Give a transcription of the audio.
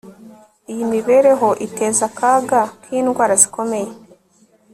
Iyi mibereho iteza akaga kindwara zikomeye